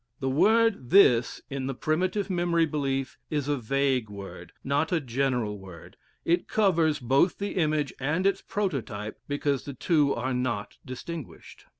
The word "this" in the primitive memory belief is a vague word, not a general word; it covers both the image and its prototype because the two are not distinguished.